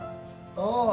ああ。